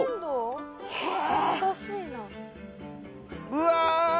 うわ！